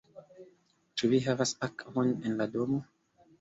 Ĉu vi havas akvon en la domo?